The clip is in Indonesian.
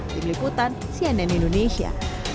diliputan cnn indonesia